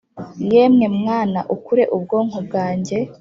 yewe mwana ukure ubwonko bwanjye